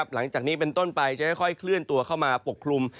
หลังจากนี้เป็นต้นไปจะค่อยเคลื่อนตัวเข้ามาปกคลุม